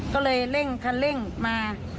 ก็เลยเร่งคันเร่งมา